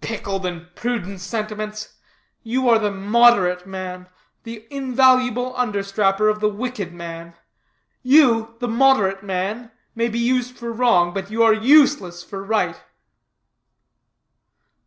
"Picked and prudent sentiments. You are the moderate man, the invaluable understrapper of the wicked man. You, the moderate man, may be used for wrong, but are useless for right."